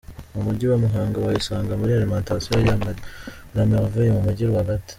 Mu mujyi wa Muhanga ,wayisanga muri alimentation la Merveille mu mujyi rwagati.